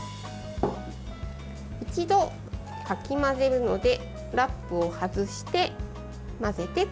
一度、かき混ぜるのでラップを外して混ぜてください。